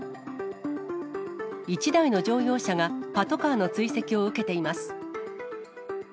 １台の乗用車がパトカーの追跡を受けています。